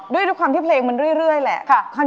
ด้วยความที่เพลงมันเรื่อยแหละ